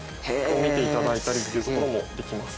見ていただいたりというところもできます。